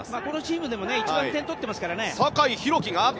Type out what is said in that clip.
このチームでも一番点取ってますからね。